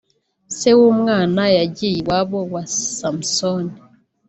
se w’umwana yagiye iwabo wa Samson